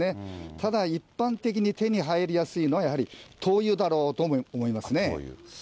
ただ、一般的に手に入りやすいのは、やっぱり灯油だろうと思いますね。